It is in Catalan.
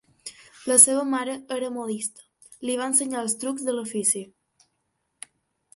La seva mare era modista, li va ensenyar els trucs de l'ofici.